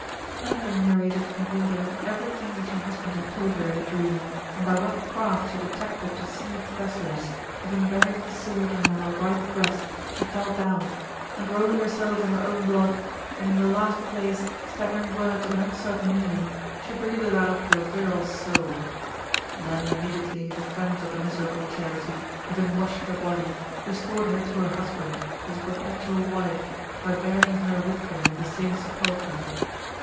And having narrated in order every thing which her husband had told her in a dream, and by what craft she had attacked the deceived Thrasyllus, having buried the sword under her right breast, she fell down ; and rolling herself in her own blood, and in the last place stammering words of an uncertain meaning, she breathed out her virile soul. Then immediately the friends of the miserable Charite, having washed her body, restored her to her husband, as a perpetual wife, by burying her with him in the same sepulchre.